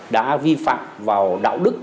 đã vi phạm vào đạo đức